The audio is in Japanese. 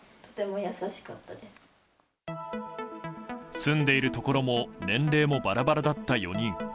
住んでいるところも年齢もバラバラだった４人。